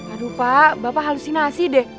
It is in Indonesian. aduh pak bapak halusinasi deh